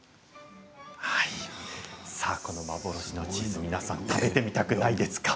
この幻のチーズ皆さん食べてみたくないですか？